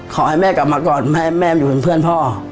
ขอให้แม่กลับมาก่อนให้แม่มาอยู่เป็นเพื่อนพ่อ